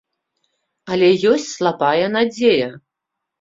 Але ёсць слабая надзея.